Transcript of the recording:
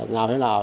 nào thế nào